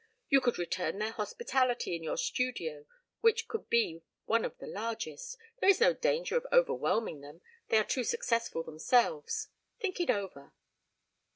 You could return their hospitality in your studio, which could be one of the largest there is no danger of overwhelming them; they are too successful themselves. Think it over."